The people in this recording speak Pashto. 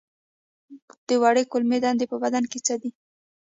د وړې کولمې دنده په بدن کې څه ده